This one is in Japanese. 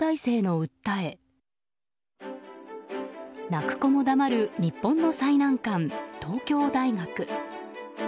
泣く子も黙る日本の最難関東京大学。